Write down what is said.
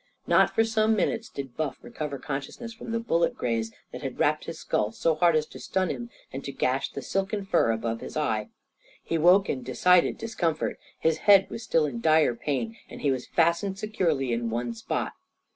Not for some minutes did Buff recover consciousness from the bullet graze that had rapped his skull so hard as to stun him and to gash the silken fur above his eye. He woke in decided discomfort; his head was still in dire pain, and he was fastened securely in one spot.